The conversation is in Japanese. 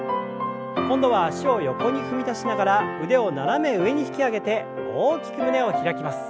今度は脚を横に踏み出しながら腕を斜め上に引き上げて大きく胸を開きます。